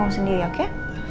tunggu sendiri ya oke